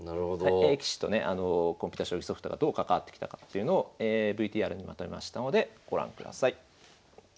棋士とねコンピュータ将棋ソフトがどう関わってきたかというのをＶＴＲにまとめましたのでご覧ください。